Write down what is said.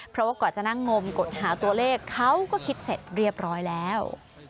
เพราะว่ากว่าจะนั่งงมกดหาตัวเลขเขาก็คิดเสร็จเรียบร้อยแล้ว